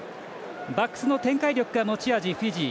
バックスの展開力が持ち味フィジー。